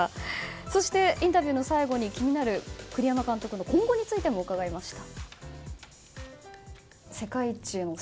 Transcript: そして、インタビューの最後に気になる栗山監督の今後について伺いました。